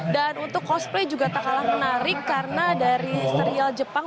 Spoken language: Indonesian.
dan untuk cosplay juga tak kalah menarik karena dari serial jepang